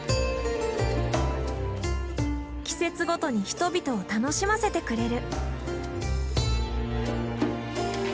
季節ごとに人々を楽しませてくれる。